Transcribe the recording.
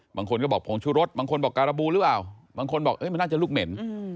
บางคนก็บอกผงชุรสบางคนบอกการบูหรือเปล่าบางคนบอกมันน่าจะลูกเหม็น